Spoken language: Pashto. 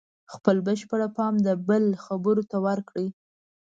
خپل بشپړ پام د بل خبرو ته ورکړئ.